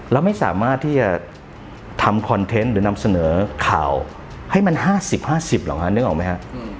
เราไม่สามารถที่จะทำคอนเทนต์หรือนำเสนอข่าวให้มัน๕๐๕๐หรอกฮะนึกออกไหมฮะ